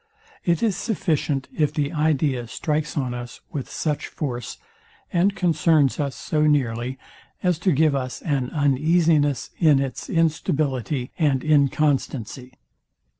It is sufficient if the idea strikes on us with such force, and concerns us so nearly, as to give us an uneasiness in its instability and inconstancy.